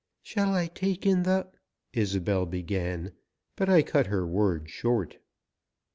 "Shall I take in the " Isobel began, but I cut her words short.